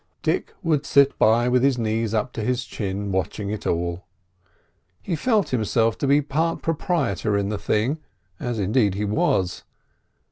Dick would sit by with his knees up to his chin, watching it all. He felt himself to be part proprietor in the thing—as indeed he was.